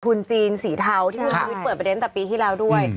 ทุนจีนสีเทาที่คุณชุวิตเปิดประเด็นตั้งแต่ปีที่แล้วด้วย